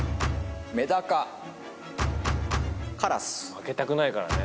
負けたくないからね。